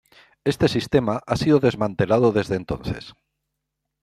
Este sistema ha sido desmantelado desde entonces.